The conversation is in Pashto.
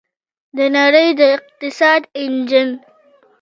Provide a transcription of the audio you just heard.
د نړۍ د اقتصاد انجن.